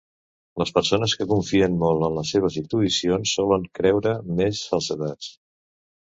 Les persones que confien molt en les seues intuïcions solen creure més falsedats.